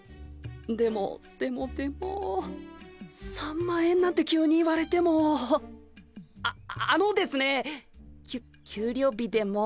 でもでもでも３万円なんて急に言われてもあっあのですねきゅ給料日でも。